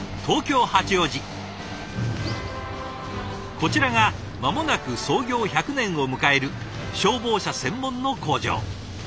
こちらが間もなく創業１００年を迎える消防車専門の工場。